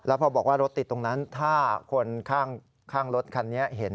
พอบอกว่ารถติดตรงนั้นถ้าคนข้างรถคันนี้เห็น